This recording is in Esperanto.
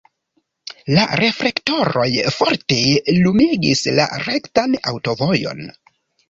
La reflektoroj forte lumigis la rektan aŭtovojon.